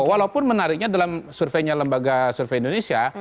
walaupun menariknya dalam surveinya lembaga survei indonesia